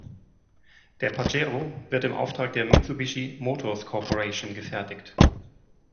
Der Pajero wird im Auftrag der Mitsubishi Motors Corporation gefertigt.